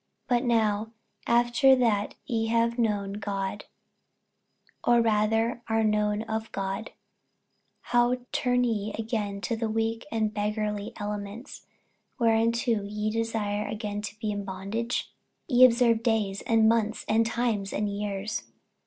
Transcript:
48:004:009 But now, after that ye have known God, or rather are known of God, how turn ye again to the weak and beggarly elements, whereunto ye desire again to be in bondage? 48:004:010 Ye observe days, and months, and times, and years.